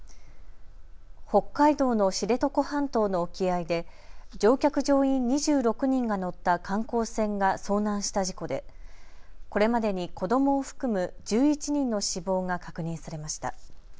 北海道の知床半島の沖合で乗客・乗員２６人が乗った観光船が遭難した事故でこれまでに子どもを含む１１人の死亡が確認されました。